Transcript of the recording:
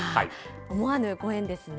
思わぬご縁ですね。